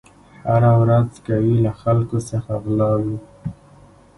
هره ورځ کوي له خلکو څخه غلاوي